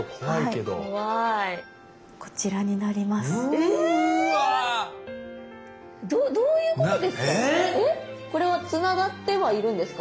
⁉どどういうことですか？